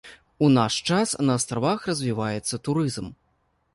У наш час на астравах развіваецца турызм.